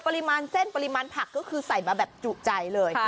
ปริมาณเส้นปริมาณผักก็คือใส่มาแบบจุใจเลย